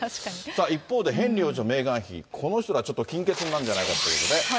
さあ、一方でヘンリー王子とメーガン妃、この人ら、金欠になるんじゃないということで。